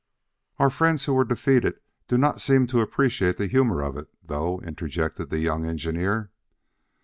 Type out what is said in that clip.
"Our friends who were defeated do not seem to appreciate the humor of it, though," interjected the young engineer.